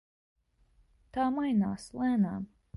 Tā mainās lēnām.